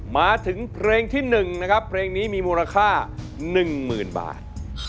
มาถึงเพลงที่๑นะครับเพลงนี้มีมูลค่า๑๐๐๐บาท